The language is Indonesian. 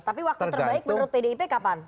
tapi waktu terbaik menurut pdip kapan